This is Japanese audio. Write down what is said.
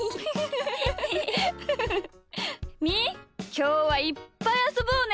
きょうはいっぱいあそぼうね。